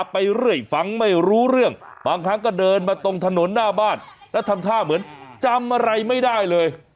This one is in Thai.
ไปเรื่อยฟังไม่รู้เรื่องบางครั้งก็เดินมาตรงถนนหน้าบ้านแล้วทำท่าเหมือนจำอะไรไม่ได้เลย